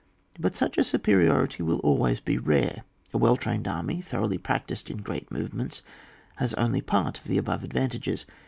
— But such a superiority will always be rare ; a well trained army, thoroughly prac tised in great movements, has only part of the above advantages.